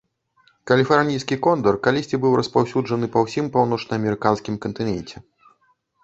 Каліфарнійскі кондар калісьці быў распаўсюджаны па ўсім паўночнаамерыканскім кантыненце.